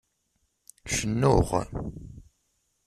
Cennuɣ.